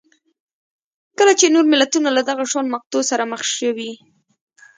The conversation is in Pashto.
کله چې نور ملتونه له دغه شان مقطعو سره مخ شوي